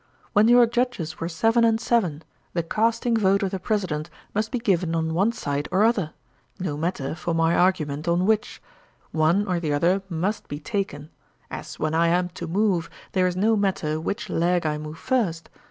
When your Judges were seven and seven, the casting vote of the President must be given on one side or other: no matter, for my argument, on which; one or the other must be taken: as when I am to move, there is no matter which leg I move first.